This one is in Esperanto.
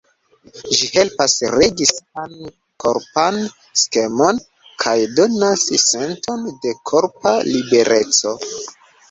Ĝi helpas regi sian korpan skemon kaj donas senton de korpa libereco.